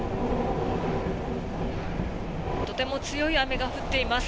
とても強い雨が降っています。